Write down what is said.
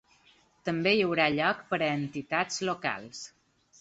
També hi haurà lloc per a entitats locals.